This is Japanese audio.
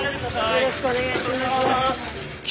よろしくお願いします。